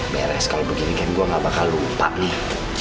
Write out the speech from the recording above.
beres kalau begini gue nggak bakal lupa nih